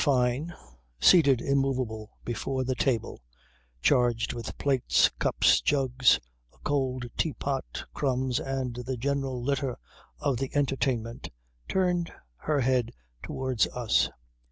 Fyne seated immovable before the table charged with plates, cups, jugs, a cold teapot, crumbs, and the general litter of the entertainment turned her head towards us.